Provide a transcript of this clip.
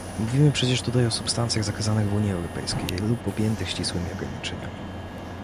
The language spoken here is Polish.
Mówimy przecież tutaj o substancjach zakazanych w Unii Europejskiej lub objętych ścisłymi ograniczeniami